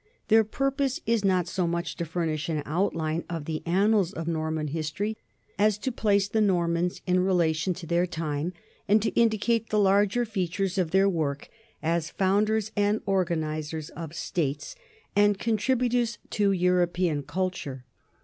Their purpose is not so much to furnish an outline of the annals of Norman history as to place the Normans in relation to their time and to indicate the larger features of their work as founders and organizers of states and contributors to European culture.